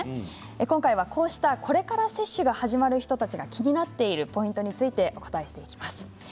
今回はこうしたこれから接種が始まる人たちが気になっているポイントについてお答えしていきます。